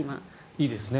いいですね。